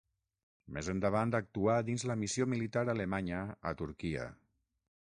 Més endavant actuà dins la missió militar alemanya a Turquia.